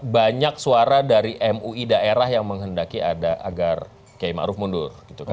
banyak suara dari mui daerah yang menghendaki agar kiai ⁇ maruf ⁇ mundur